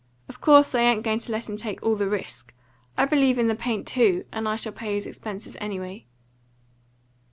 Of course I ain't going to let him take all the risk. I believe in the paint TOO, and I shall pay his expenses anyway."